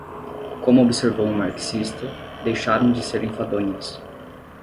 como observou um marxista, deixaram de ser enfadonhas.